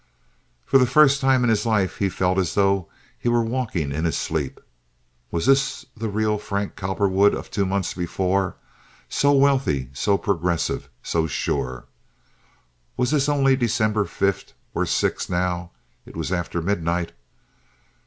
For the first time in his life he felt as though he were walking in his sleep. Was this the real Frank Cowperwood of two months before—so wealthy, so progressive, so sure? Was this only December 5th or 6th now (it was after midnight)?